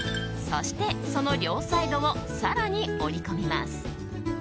そして、その両サイドを更に折り込みます。